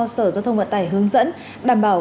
sở giao thông vận tải hướng dẫn đảm bảo